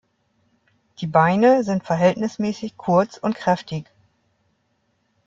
Die Beine sind verhältnismäßig kurz und kräftig.